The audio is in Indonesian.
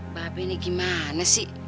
mbak be ini gimana sih